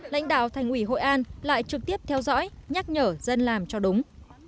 lãnh đạo thành ủy hội an lại trực tiếp theo dõi nhắc nhở dân làm cho đúng